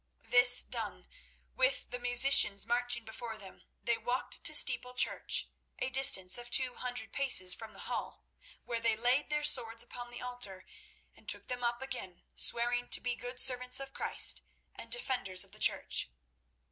This done, with the musicians marching before them, they walked to Steeple church—a distance of two hundred paces from the Hall, where they laid their swords upon the altar and took them up again, swearing to be good servants of Christ and defenders of the Church.